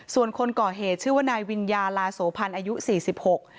ส่วนคนก่อเหตุชื่อว่านายวิญญาลาโสพันธ์อายุสี่สิบหก